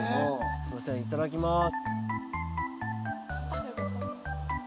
すいませんいただきます。